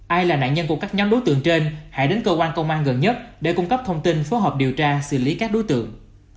ai là nạn nhân của các nhóm đối tượng trên hãy đến cơ quan công an gần nhất để cung cấp thông tin phối hợp điều tra xử lý các đối tượng